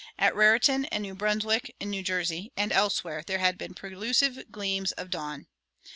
At Raritan and New Brunswick, in New Jersey, and elsewhere, there had been prelusive gleams of dawn.